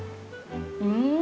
うん。